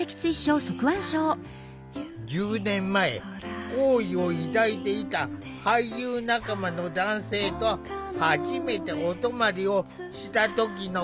１０年前好意を抱いていた俳優仲間の男性と初めてお泊まりをした時のこと。